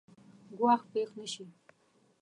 ګواښ پېښ نه شي.